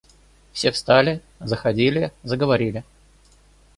Все встали, заходили, заговорили.